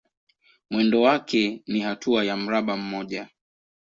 Mwendo wake ni hatua ya mraba mmoja.